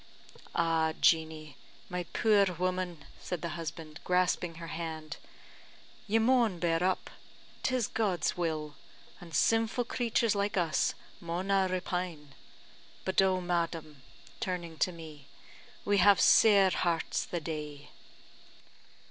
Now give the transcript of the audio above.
"Ah, Jeannie, my puir woman," said the husband, grasping her hand, "ye maun bear up; 'tis God's will; an sinfu' creatures like us mauna repine. But oh, madam," turning to me, "we have sair hearts the day!"